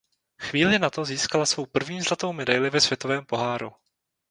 Chvíli na to získala svou první zlatou medaili ve Světovém poháru.